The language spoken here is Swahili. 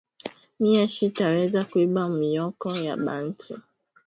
Miye shita weza kwiba myoko ya bantu